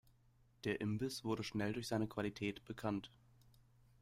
Der Imbiss wurde schnell durch seine Qualität bekannt.